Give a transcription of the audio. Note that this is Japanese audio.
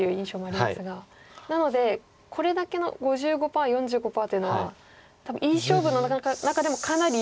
なのでこれだけの５５％４５％というのは多分いい勝負の中でもかなりいい勝負の。